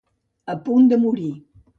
A punt de morir.